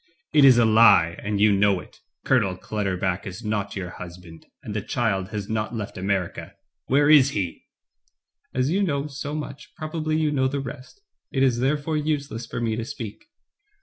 "It is a He, and you know it. Colonel Clutter buck is not your husband, and the child has not left America. Where is he?" As you know so much, probably you know the rest. It is therefore useless for me to speak."